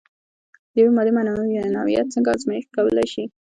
د یوې مادې نوعیت څنګه ازميښت کولی شئ؟